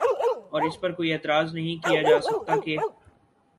اور اس پر کوئی اعتراض نہیں کیا جا سکتا کہ